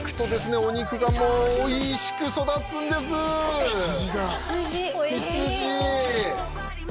お肉がもうおいしく育つんです羊だ